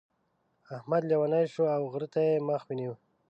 احمد لېونی شو او غره ته يې مخ ونيو.